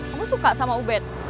kamu suka sama ubed